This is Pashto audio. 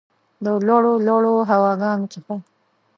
د لوړو ، لوړو هواګانو څخه